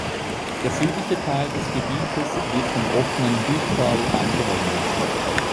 Der südliche Teil des Gebietes wird vom offenen Doubstal eingenommen.